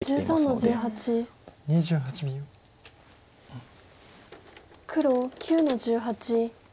黒９の十八切り。